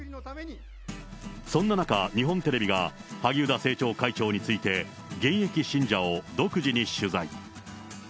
そんな中、日本テレビが萩生田政調会長について、現役信者を独自に取材。